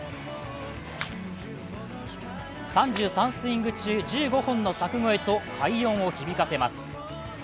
３３スイング中１５本の柵越えと快音を響かせます。